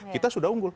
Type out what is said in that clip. kita sudah unggul